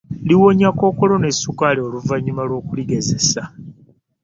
Liwonya Kkookolo ne Ssukaali oluvannyuma lw'okuligezesa.